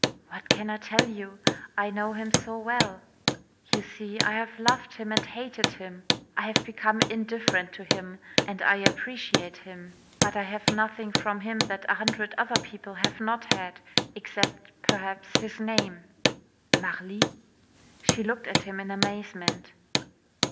"What can I tell you? I know him so well. You see, I have loved him and hated him I have become indifferent to him and I appreciate him. But I have had nothing from him that a hundred other people have not had except, perhaps, his name." "Marly?" She looked at him in amazement.